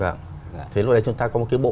vâng thế lúc đấy chúng ta có một cái bộ